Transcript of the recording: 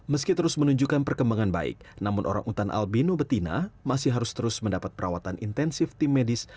meski terus menunjukkan perkembangan baik namun orang utan albino betina masih harus terus mendapat perawatan intensif tim medis